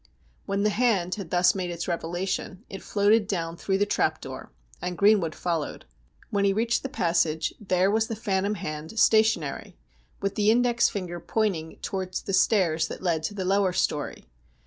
When the hand had thus made its revelation it floated down through the trap door and Greenwood followed. When he reached the passage there was the phantom hand stationary, with the index finger pointing towards the stairs that led to the lower storey.